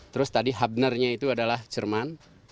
terus tadi hubnernya itu adalah jerman